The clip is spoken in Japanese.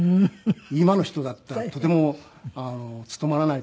今の人だったらとても務まらないと思います。